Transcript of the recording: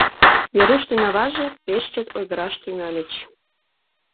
Веруш ден аваже пеш чот ойгыраш тӱҥальыч.